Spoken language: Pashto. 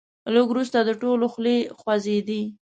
لږ وروسته د ټولو خولې خوځېدې.